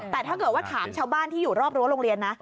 แต่ถ้าเกิดว่าถามชาวบ้านที่อยู่รอบรั้วโรงเรียนนะ